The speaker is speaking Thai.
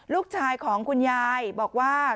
ลูกชายของคุณยายบอกว่า